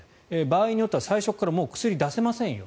場合によっては最初から薬を出せませんよ